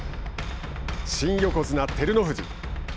新横綱・照ノ富士。